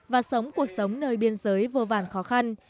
và sống cuộc sống nơi biên giới vô vàn khó khăn